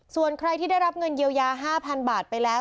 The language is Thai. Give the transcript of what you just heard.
ส่วนใครที่ได้รับเงินเยียวยา๕๐๐๐บาทไปแล้ว